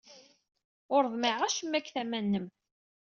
Ur ḍmiɛeɣ acemma seg tama-nnem.